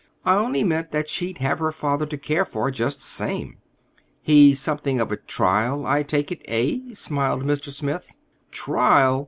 "I only meant that she'd have her father to care for, just the same." "He's something of a trial, I take it, eh?" smiled Mr. Smith. "Trial!